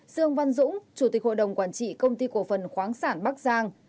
dương văn dũng chủ tịch hội đồng quản trị công ty cổ phần khoáng sản bắc giang